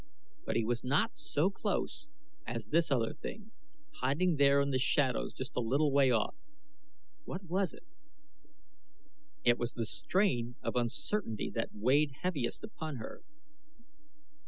But he was not so close as this other thing, hiding there in the shadows just a little way off. What was it? It was the strain of uncertainty that weighed heaviest upon her.